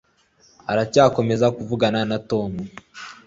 Uracyakomeza kuvugana na Tom?